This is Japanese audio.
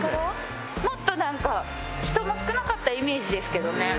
もっとなんか人も少なかったイメージですけどね。